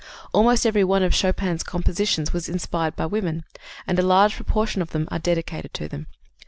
Almost every one of Chopin's compositions was inspired by women, and a large proportion of them are dedicated to them.